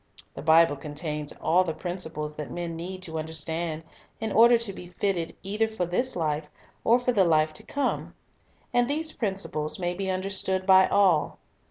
The Bible contains all the principles that men need to understand in order to be fitted either for this life or for the life to come. And these principles may be understood by all.